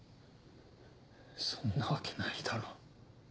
そんなわけないだろ。